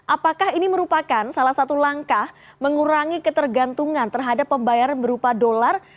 apakah ini merupakan salah satu langkah mengurangi ketergantungan terhadap pembayaran berupa dolar